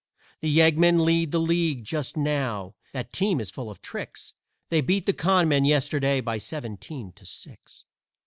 The Yeggmen lead the league just now that team is full of tricks; They beat the Con Men yesterday by seventeen to six.